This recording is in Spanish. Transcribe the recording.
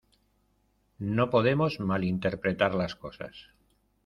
No podemos malinterpretar las cosas.